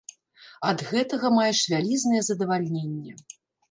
Ад гэтага маеш вялізнае задавальненне.